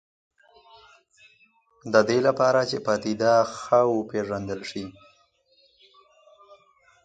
د دې لپاره چې پدیده ښه وپېژندل شي.